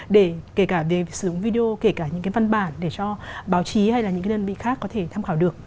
để kể cả về sử dụng video kể cả những cái văn bản để cho báo chí hay là những cái đơn vị khác có thể tham khảo được